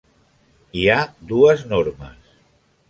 Hi ha dues normes.